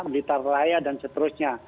blitar raya dan seterusnya